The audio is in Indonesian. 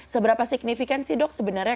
seberapa signifikan sih dok sebenarnya